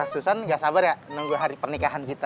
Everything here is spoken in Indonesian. susan gak sabar ya nunggu hari pernikahan kita